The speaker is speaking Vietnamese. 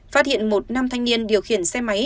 phát hiện một nam thanh niên điều khiển xe máy